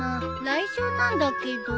来週なんだけど。